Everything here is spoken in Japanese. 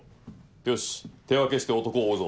よし手分けして男を追うぞ。